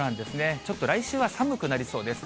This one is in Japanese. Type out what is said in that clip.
ちょっと来週は寒くなりそうです。